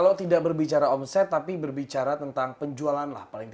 maka tidak berbicara omset tapi berbicara tentang penjualan